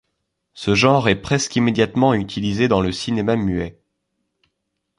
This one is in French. Ce genre est presque immédiatement utilisé dans le cinéma muet.